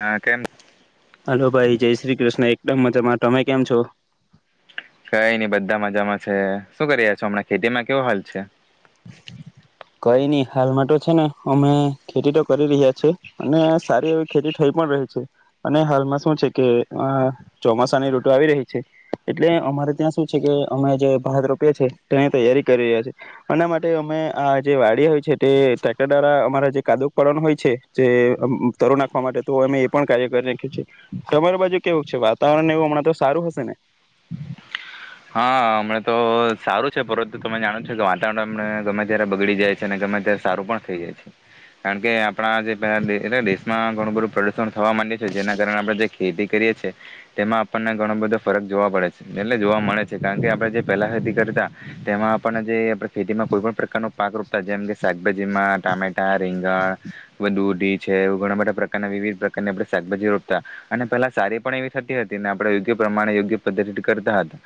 હા કેમ હલો ભાઈ જય શ્રી કૃષ્ણ એકદમ મજામાં તમે કેમ છો કઈ નઈ બધા મજામાં છે શું કરી્યા છો હમણાં ખેતીમાં કેવો હાલ છે કઈ નહી હાલમાં તો છે ને અમે ખેતી તો કરી રહ્યા છેએ અને સારી એવી ખેતી થઈ પણ રહી છે અને હાલમાં શું છે કે ચોમાસાની રઋટ આવી રહી છે એટલે અમારે ત્યાં શું છે કે અમે જે ભાત રોપએ છે તેની તૈયારી કરી રહ્યા છે એના માટે અમે આ જે વાડી હોય છે તે ટક્ટર દ્વારા અમારા જે કાદુક પળન હોય છે જે તરુ નાખવા માટે તો અમે એ પણ કાર્ય કરી ના્યું છે તમારી બાજુ કેવું છે વાતાવરણ એવું હમણાં તો સારું હશે ને હા હમણા તો સારું છે પરત તમે જાણો છો કે વાતાવરણ ગમે ત્યારે બગડી જાય છે અને ગમે ત્યારે સારું પણ થઈ જાય છે કારણ કે આપણા જેલા દેશમાં ઘણું બધું થવા માંડે છે જેના કારણે આપણેએ ખેતી કરીએ છીએ તેમાં આપણને ઘણો બધો ફરક જોવા પડે છે એટલે જોવા મળે કારણ કે આપણે જે પહેલા ખેતી કરતા તેમાં આપણને જે આપ ખેતીમાં કોઈ પણ પ્રકારનો પાક રોપતા જેમ કે શાકભાજીમાં ટામેટા રીંગણ દૂઢી છે ઘણા બધા પ્રકારના વિવિધ પ્રકારની આપણે શાકભાજી રોપતા અને પેલા સારી પણ એવી થતી હતી ને આપણે યોગ્ય પ્રમાણે યોગ્ય પદ્ધતિ કરતા હતા